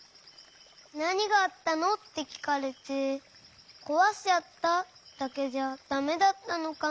「なにがあったの？」ってきかれて「こわしちゃった」だけじゃダメだったのかな。